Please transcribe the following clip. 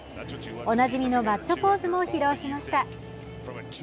おなじみのマッチョポーズも披露しました。